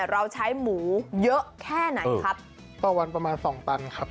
เราใช้หมูเยอะแค่ไหนครับต่อวันประมาณสองตันครับ